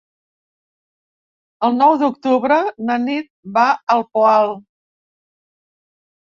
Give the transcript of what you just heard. El nou d'octubre na Nit va al Poal.